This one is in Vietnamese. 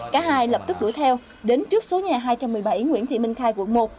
cả hai lập tức đuổi theo đến trước số nhà hai trăm một mươi bảy nguyễn thị minh khai quận một